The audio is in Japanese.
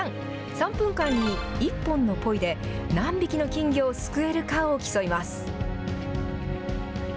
３分間に１本のポイで何匹の金魚をすくえるかを競います。